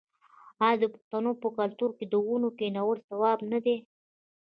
آیا د پښتنو په کلتور کې د ونو کینول ثواب نه دی؟